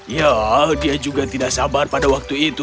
ya dia juga tidak sabar pada waktu itu